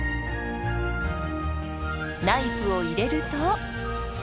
ナイフを入れると。